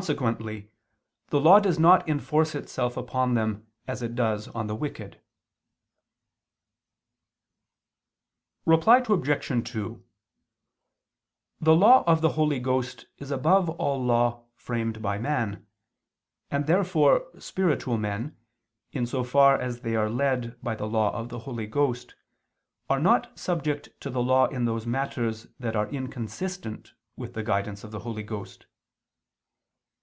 Consequently the law does not enforce itself upon them as it does on the wicked. Reply Obj. 2: The law of the Holy Ghost is above all law framed by man: and therefore spiritual men, in so far as they are led by the law of the Holy Ghost, are not subject to the law in those matters that are inconsistent with the guidance of the Holy Ghost.